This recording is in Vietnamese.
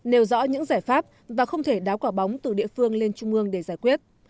nêu rõ những giải pháp và không thể đáo quả bóng từ địa phương lên trung ương để giải quyết